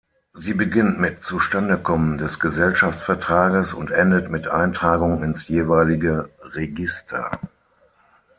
Sie beginnt mit Zustandekommen des Gesellschaftsvertrages und endet mit Eintragung ins jeweilige Register.